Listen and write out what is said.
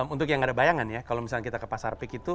untuk yang gak ada bayangan ya kalau misalnya kita ke pasar peak itu